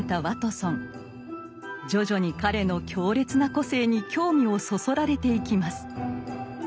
徐々に彼の強烈な個性に興味をそそられていきます。